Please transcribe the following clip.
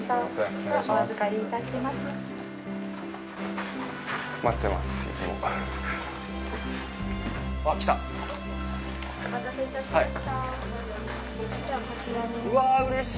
お待たせいたしました。